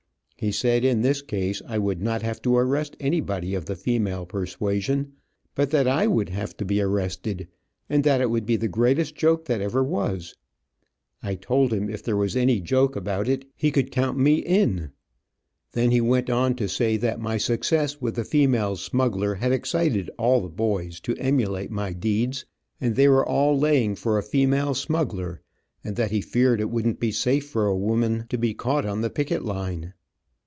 He said in this case I would not have to arrest anybody of the female persuasion, but that I would have to be arrested, and that it would be the greatest joke that ever was. I told him if there was any joke about it he could count me in. Then he went on to say that my success with the female smuggler had excited all the boys to emulate my deeds, and they were all laying for a female smuggler, and that he feared it wouldn't be safe for a woman to be caught on the picket line.